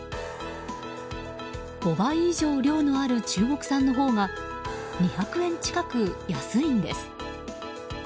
５倍以上量のある中国産のほうが２００円近く安いんです。